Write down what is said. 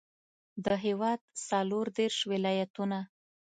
د هېواد څلوردېرش ولایتونه.